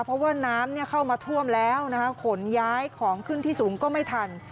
เพราะว่าน้ำเข้ามาท่วมแล้วขนย้ายของขึ้นที่สูงก็ไม่ทัน